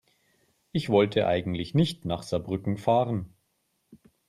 Ich wollte eigentlich nicht nach Saarbrücken fahren